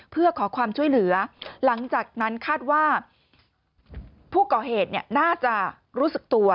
เพื่อขอความช่วยเหลือหลังจากนั้นคาดว่าผู้ก่อเหตุน่าจะรู้สึกตัว